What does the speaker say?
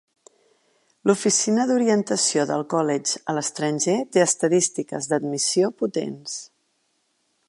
L'Oficina d'Orientació del College a l'Estranger té estadístiques d'admissió potents.